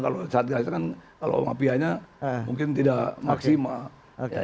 kalau satgas itu kan kalau mafianya mungkin tidak maksimal